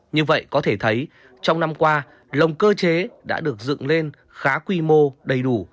như vậy có thể thấy trong năm qua lồng cơ chế đã được dựng lên khá quy mô đầy đủ